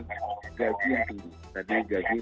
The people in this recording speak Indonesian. gaji yang tinggi tadi gaji